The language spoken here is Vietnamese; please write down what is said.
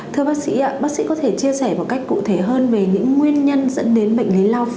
thưa bác sĩ bác sĩ có thể chia sẻ một cách cụ thể hơn về những nguyên nhân dẫn đến bệnh lý lao